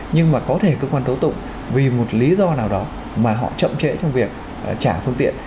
nhưng mà có thể cơ quan tố tụng vì một lý do nào đó mà họ chậm trễ trong việc trả phương tiện